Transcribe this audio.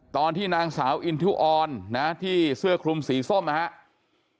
ตอนที่นางสาวอินทิวออนนะที่เสื้อคลุมสีส้มนะครับ